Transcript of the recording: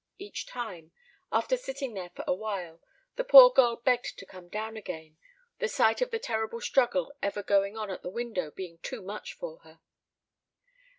Each time, after sitting there for a while, the poor girl begged to come down again, the sight of the terrible struggle ever going on at the window being too much for her.